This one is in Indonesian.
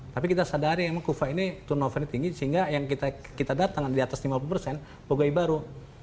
tapi kita sadari memang kufa ini turnovernya tinggi sehingga yang kita datang di atas lima puluh persen bogai baru